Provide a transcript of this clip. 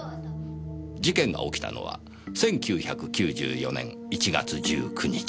事件が起きたのは１９９４年１月１９日。